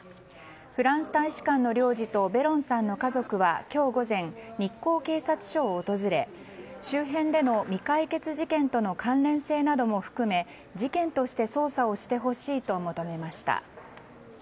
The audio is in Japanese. フランス大使館の領事とベロンさんの家族は今日午前日光警察署を訪れ周辺での未解決事件との関連性なども含め事件として捜査をしてほしいと求めました。